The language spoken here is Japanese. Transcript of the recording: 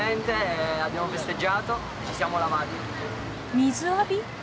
水浴び？